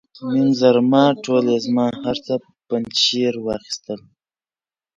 میم زرما ټوله یې زما، هر څه پنجشیر واخیستل.